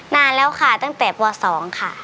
นานแล้วค่ะตั้งแต่ป๒ค่ะ